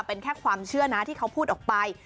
เป็นแค่ความเชื่อนะที่เขาพูดออกไป